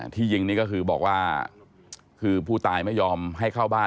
ที่ยิงนี่ก็คือบอกว่าคือผู้ตายไม่ยอมให้เข้าบ้าน